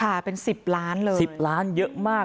ค่ะเป็น๑๐ล้านเลย๑๐ล้านเยอะมาก